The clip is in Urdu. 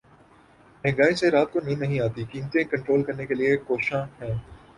مہنگائی سے رات کو نیند نہیں آتی قیمتیں کنٹرول کرنے کے لیے کوشاں ہیں